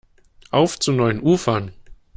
Auf zu neuen Ufern!